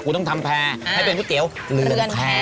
กูต้องทำแพ้ให้เป็นก๋วยเตี๋ยวเรือนแพ้